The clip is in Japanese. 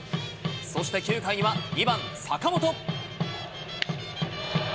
そして９回には、２番坂本。